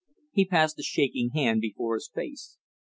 He passed a shaking hand before his face.